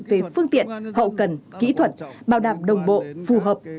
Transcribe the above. về phương tiện hậu cần kỹ thuật bảo đảm đồng bộ phù hợp